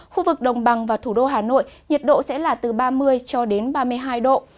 khu vực đồng bằng và thủ đô hà nội nhiệt độ sẽ là từ ba mươi cho đến ba mươi hai độ